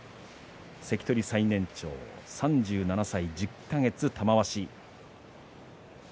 関取最年長、３７歳１０か月玉鷲。